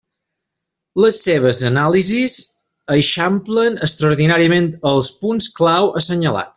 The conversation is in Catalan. Les seves anàlisis eixamplen extraordinàriament els punts clau assenyalats.